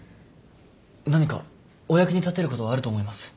何かお役に立てることはあると思います。